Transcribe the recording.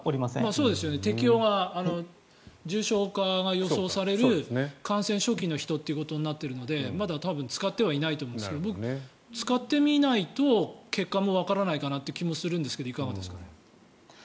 そうですよね適用が重症化が予想される感染初期の人ということになっているのでまだ多分使ってはいないと思うんですが僕、使ってみないと結果もわからないかなという気もするんですがいかがですか？